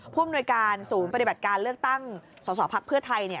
ผู้มนุยการสูงปฏิบัติการเรื่องตั้งส่อภาพเพื่อไทยเนี่ย